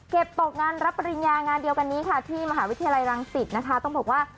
ตกงานรับปริญญางานเดียวกันนี้ค่ะที่มหาวิทยาลัยรังสิตนะคะต้องบอกว่า